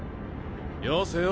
よせよ